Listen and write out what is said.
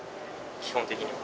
基本的には。